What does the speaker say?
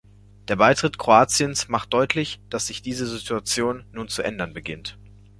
Der Beitritt Kroatiens macht deutlich, dass sich diese Situation nun zu ändern beginnt.